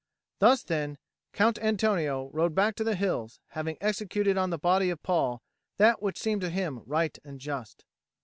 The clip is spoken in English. Thus, then, Count Antonio rode back to the hills, having executed on the body of Paul that which seemed to him right and just.